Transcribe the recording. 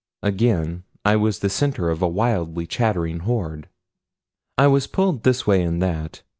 Again I was the center of a wildly chattering horde. I was pulled this way and that.